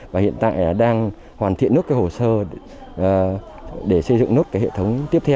và hiện tại đang hoàn thiện nước hồ sơ để xây dựng nước hệ thống tiếp theo